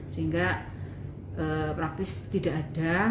sehingga praktis tidak ada